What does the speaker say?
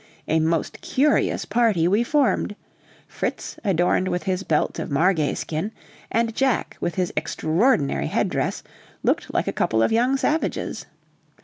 A most curious party we formed: Fritz, adorned with his belt of margayskin, and Jack, with his extraordinary head dress, looked like a couple of young savages.